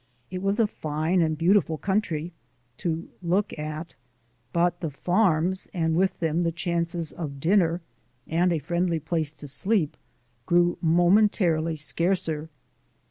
It was a fine and beautiful country to look at but the farms, and with them the chances of dinner, and a friendly place to sleep, grew momentarily scarcer.